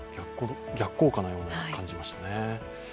逆効果のように感じましたね。